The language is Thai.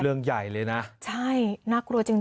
เรื่องใหญ่เลยนะใช่น่ากลัวจริงจริง